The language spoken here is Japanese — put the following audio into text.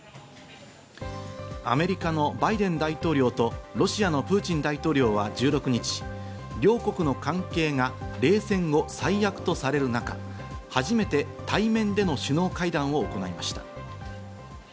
アメリカのバイデン大統領とロシアのプーチン大統領は１６日、両国の関係が冷戦後最悪とされる中、初めて対面での首脳会談を行いました。